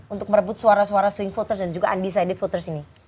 untuk merebut suara suara swing voters dan juga undecided voters ini